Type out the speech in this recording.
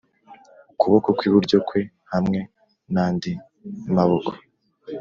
ukuboko kw iburyo kwe hamwe nandi maboko